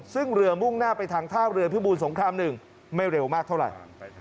ซึ่งเรือมุ่งหน้าไปทางท่าเรือพิบูรสงคราม๑ไม่เร็วมากเท่าไหร่